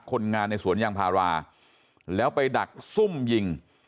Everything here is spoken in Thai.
คนงานในสวนยางพาราแล้วไปดักซุ่มยิง